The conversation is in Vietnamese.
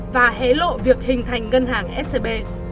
và hé lộ việc hình thành ngân hàng scb